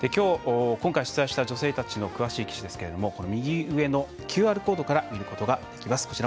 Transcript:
今回、取材した女性たちの詳しい記事ですけれども右上のＱＲコードから見ることができます。